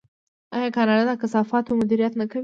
آیا کاناډا د کثافاتو مدیریت نه کوي؟